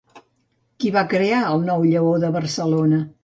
Qui va crear el nou Lleó de Barcelona?